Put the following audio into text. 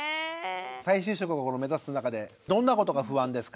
再就職を目指す中でどんなことが不安ですか？